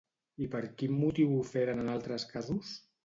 I per quin motiu ho feren en altres casos?